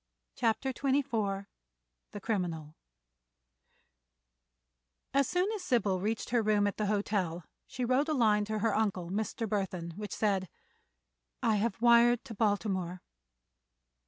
CHAPTER XXIV THE CRIMINAL As soon as Sybil reached her room at the hotel she wrote a line to her uncle, Mr. Burthon, which said: "I have wired to Baltimore."